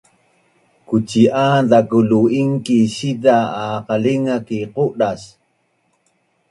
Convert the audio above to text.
Kuci’an zaku lu’ingki’ siza’ a qalinga ki qudas